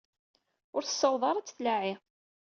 Ur tessaweḍ ara ad tt-tlaɛi.